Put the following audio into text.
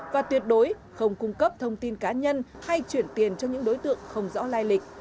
và tuyệt đối không cung cấp thông tin cá nhân hay chuyển tiền cho những đối tượng không rõ lai lịch